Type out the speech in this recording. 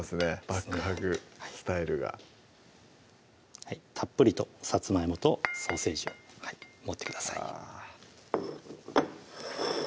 バックハグスタイルがたっぷりとさつまいもとソーセージを盛ってください